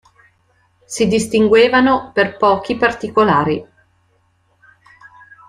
Si distinguevano per pochi particolari.